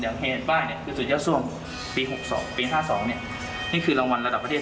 เหตุป้ายเนี่ยคือสุดยอดซ่วมปี๖๒ปี๕๒นี่คือรางวัลระดับประเทศ